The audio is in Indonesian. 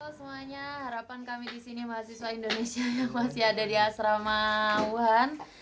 semuanya harapan kami di sini mahasiswa indonesia yang masih ada di asrama wuhan